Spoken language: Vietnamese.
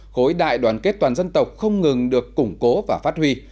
khối đại đoàn kết toàn dân tộc không ngừng được củng cố và phát huy